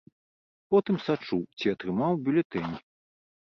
Потым сачу, ці атрымаў бюлетэнь.